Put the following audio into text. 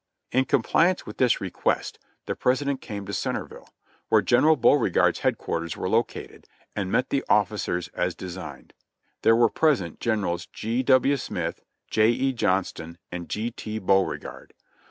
In compliance with this request the President came to Centerville, where General Beauregard's headquarters were located, and met the officers as designed. There were present Generals G. W. Smith, J. E. Johnston, and G. T. Beauregard.